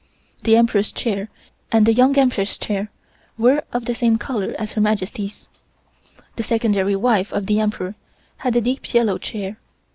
The Emperor's chair and the Young Empress' chair were of the same color as Her Majesty's. The Secondary wife of the Emperor had a deep yellow chair.